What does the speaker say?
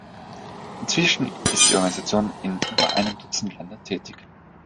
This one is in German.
Inzwischen ist die Organisation in über einem Dutzend Länder tätig.